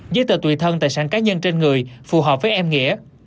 giấy tờ tùy thân tài sản cá nhân trên người phù hợp với em nghĩa